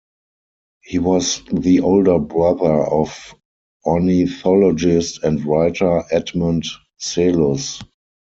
He was the older brother of ornithologist and writer Edmund Selous.